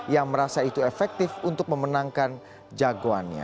yang merasa itu efektif untuk memenangkan jagoannya